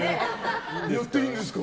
やっていいんですか？